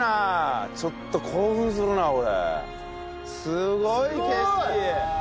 すごい景色。